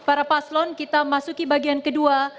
para paslon kita masuk ke bagian kedua